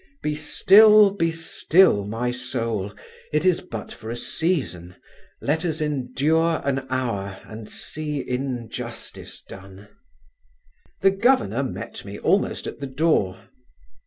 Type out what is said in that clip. Be still, be still, my soul; it is but for a season: Let us endure an hour and see injustice done. The Governor met me almost at the door.